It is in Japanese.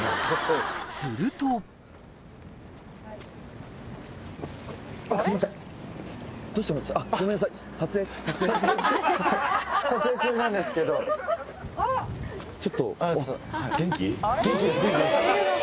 するとちょっと。